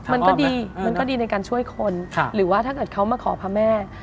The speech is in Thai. มันก็ดีมันก็ดีในการช่วยคนหรือว่าถ้าเกิดเขามาขอพระแม่